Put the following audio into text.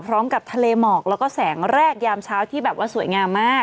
พร้อมกับทะเลหมอกแล้วก็แสงแรกยามเช้าที่แบบว่าสวยงามมาก